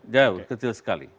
jauh kecil sekali